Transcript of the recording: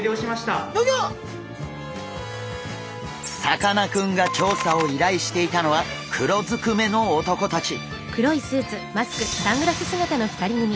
さかなクンが調査をいらいしていたのは黒ずくめの男たち。